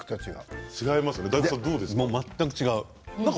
全く違う。